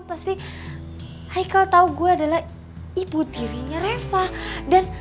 pasti haikal tau gue adalah ibu dirinya reva dan